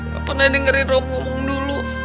gak pernah dengerin robby ngomong dulu